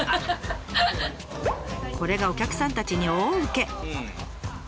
これがお客さんたちに大ウケ！